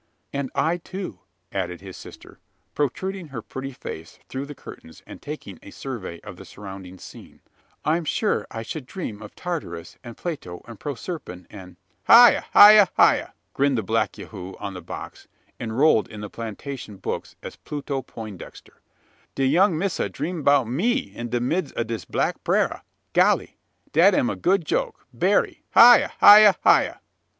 "And I, too," added his sister, protruding her pretty face through the curtains, and taking a survey of the surrounding scene: "I'm sure I should dream of Tartarus, and Pluto, and Proserpine, and " "Hya! hya! hya!" grinned the black Jehu, on the box enrolled in the plantation books as Pluto Poindexter "De young missa dream 'bout me in de mids' ob dis brack praira! Golly! dat am a good joke berry! Hya! hya!